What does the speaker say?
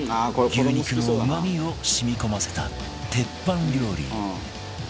牛肉のうまみを染み込ませた鉄板料理